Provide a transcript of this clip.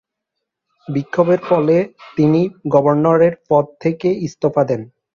বিক্ষোভের ফলে তিনি গভর্নরের পদ থেকে ইস্তফা দেন।